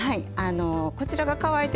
はい。